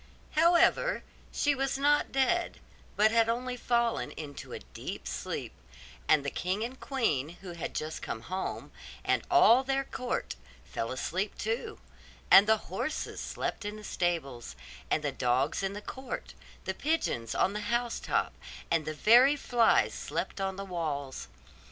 However, she was not dead, but had only fallen into a deep sleep; and the king and the queen, who had just come home, and all their court, fell asleep too; and the horses slept in the stables, and the dogs in the court, the pigeons on the house top, and the very flies slept upon the walls.